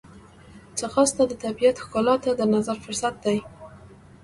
ځغاسته د طبیعت ښکلا ته د نظر فرصت دی